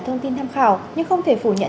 thông tin tham khảo nhưng không thể phủ nhận